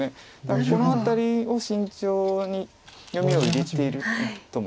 だからこの辺りを慎重に読みを入れていると。